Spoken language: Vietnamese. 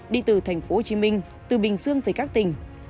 đi từ thành phố hồ chí minh từ bình dương về các tỉnh